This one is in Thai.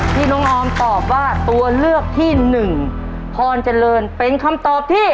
ที่น้องออมตอบว่าตัวเลือกที่หนึ่งพรเจริญเป็นคำตอบที่